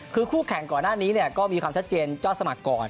คือคู่แข่งก่อนหน้านี้ก็มีความชัดเจนเจ้าสมัครก่อน